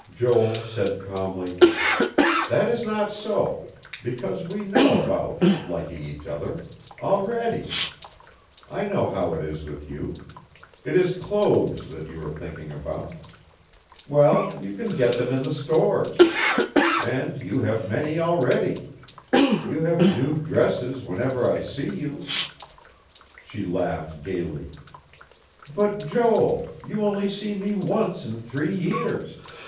Joel said calmly: "That is not so; because we know about liking each other, already. I know how it is with you. It is clothes that you are thinking about. Well, you can get them in the stores. And you have many, already. You have new dresses whenever I see you...." She laughed gayly. "But, Joel, you only see me once in three years.